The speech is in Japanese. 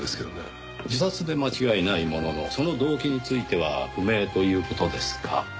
自殺で間違いないもののその動機については不明という事ですか。